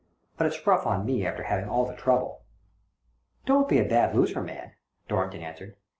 But it's rough on me after having all the trouble." *' Don't be a bad loser, man !" Dorrington answered.